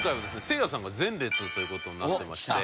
せいやさんが前列という事になっていまして。